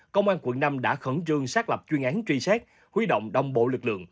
công an quận năm đã khẩn trương xác lập chuyên án truy xét huy động đồng bộ lực lượng